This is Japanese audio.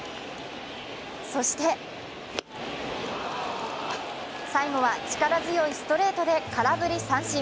そして最後は力強いストレートで空振り三振。